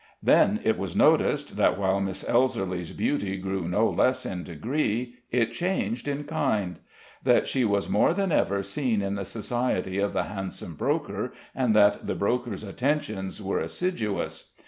Then it was noticed that while Miss Elserly's beauty grew no less in degree, it changed in kind; that she was more than ever seen in the society of the handsome broker, and that the broker's attentions were assiduous.